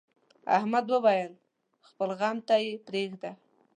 احمد وويل: خپل غم ته یې پرېږده.